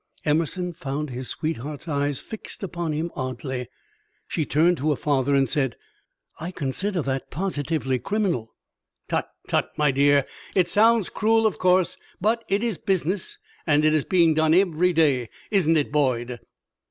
Emerson found his sweetheart's eyes fixed upon him oddly. She turned to her father and said: "I consider that positively criminal." "Tut, tut, my dear! It sounds cruel, of course, but it is business, and it is being done every day; isn't it, Boyd?"